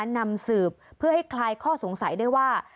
นำสืบเพื่อให้คลายข้อสงสัยได้ว่า